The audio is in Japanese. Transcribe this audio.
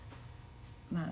まあ